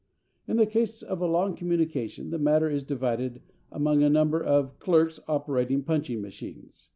In the case of a long communication the matter is divided among a number of clerks operating punching machines.